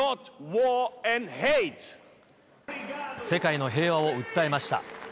世界の平和を訴えました。